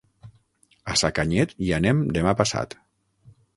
A Sacanyet hi anem demà passat.